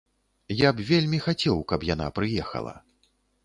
Я б вельмі хацеў, каб яна прыехала.